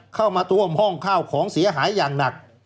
เข้ามาท่วมห้องข้าวของเสียหายอย่างหนัก